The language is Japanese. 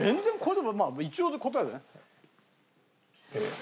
まあ一応で答えるね。